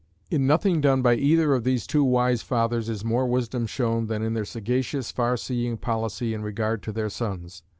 In nothing done by either of these two wise fathers is more wisdom shown than in their sagacious, farseeing policy in regard to their sons.